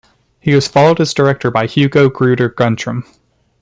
He was followed as Director by Hugo Gruder-Guntram.